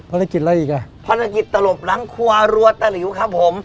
ภารกิจอะไรอีกอ่ะภารกิจตลบหลังครัวรัวตะหลิวครับผม